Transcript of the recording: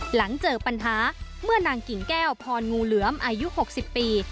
หลังเจอปัญหาเมื่อนางกิ่งแก้วพรงูเหลือมอายุ๖๐ปี